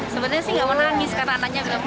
sebenarnya sih nggak mau nangis karena anaknya bilang